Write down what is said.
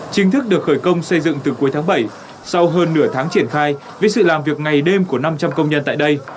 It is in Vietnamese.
chính thức được khởi công xây dựng từ cuối tháng bảy sau hơn nửa tháng triển khai với sự làm việc ngày đêm của năm trăm linh công nhân tại đây